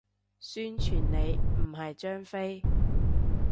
宣傳你，唔係張飛